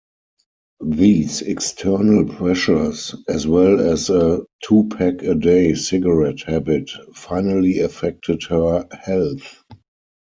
These external pressures, as well as a two-pack-a-day cigarette habit, finally affected her health.